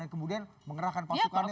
kemudian mengerahkan pasukannya